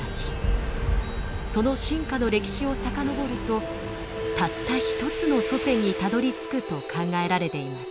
その進化の歴史を遡るとたった一つの祖先にたどりつくと考えられています。